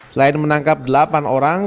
selain menangkap delapan orang